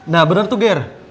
nah bener tuh gir